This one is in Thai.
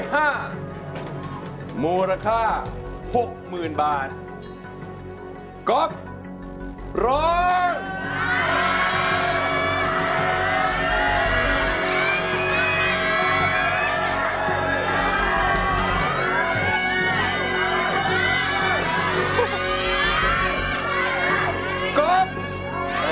ร้องได้ร้องได้ร้องได้